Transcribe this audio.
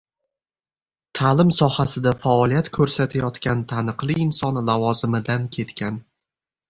Taʼlim sohasida faoliyat koʻrsatayotgan taniqli inson lavozimidan ketgan.